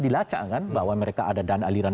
dilacak bahwa mereka ada aliran